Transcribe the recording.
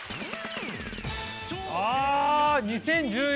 あ２０１４！